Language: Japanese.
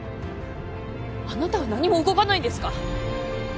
あなたは何も動かないんですか？